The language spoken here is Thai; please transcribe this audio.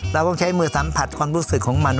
เราต้องใช้มือสัมผัสความรู้สึกของมัน